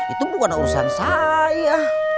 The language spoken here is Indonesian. itu bukan urusan saya